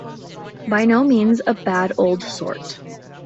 By no means a bad old sort.